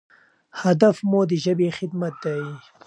هدف مو د ژبې خدمت دی.